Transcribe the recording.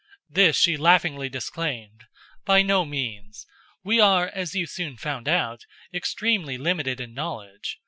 This she laughingly disclaimed. "By no means. We are, as you soon found out, extremely limited in knowledge.